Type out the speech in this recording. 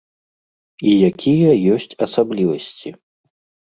І якія ёсць асаблівасці?